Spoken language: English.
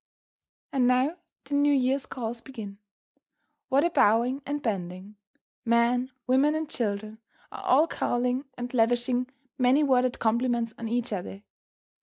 And now the New Year's calls begin. What a bowing and bending! Men, women, and children are all calling and lavishing many worded compliments on each other.